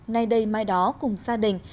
nay đây mai đó cùng gia đình